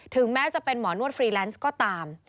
แม้จะเป็นหมอนวดฟรีแลนซ์ก็ตาม